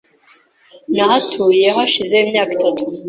Nahatuye hashize imyaka itatu.